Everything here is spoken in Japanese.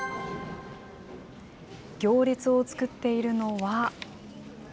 行列を作っているのは。